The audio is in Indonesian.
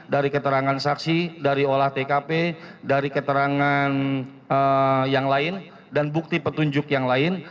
dari keterangan saksi dari olah tkp dari keterangan yang lain dan bukti petunjuk yang lain